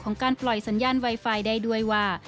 การปล่อยสัญญาณไวไฟได้ด้วยว่า